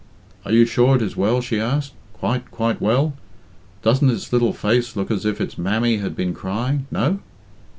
"Are you sure it is well?" she asked. "Quite, quite well? Doesn't its little face look as if its mammy had been crying no?"